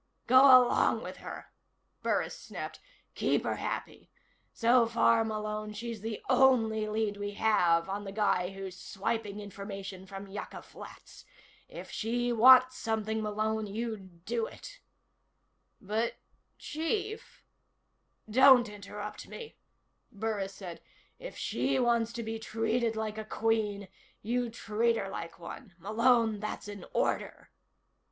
"Go along with her," Burris snapped. "Keep her happy. So far, Malone, she's the only lead we have on the guy who's swiping information from Yucca Flats. If she wants something, Malone, you do it." "But, Chief " "Don't interrupt me," Burris said. "If she wants to be treated like a Queen, you treat her like one. Malone, that's an order!"